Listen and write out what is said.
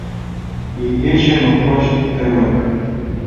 Игече моткоч тымык.